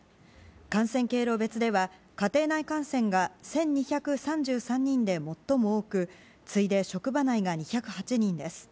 感染経路別では家庭内感染が１２３３人で最も多く次いで職場内が２０８人です。